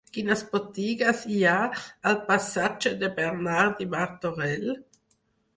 Quines botigues hi ha al passatge de Bernardí Martorell?